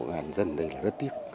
cán bộ ngàn dân đây là rất tiếc